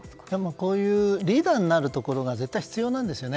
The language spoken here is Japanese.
こういうリーダーになるところが絶対に必要なんですよね。